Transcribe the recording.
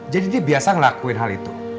jadi dia biasa ngelakuin hal itu